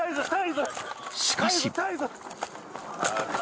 しかし。